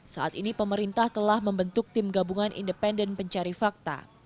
saat ini pemerintah telah membentuk tim gabungan independen pencari fakta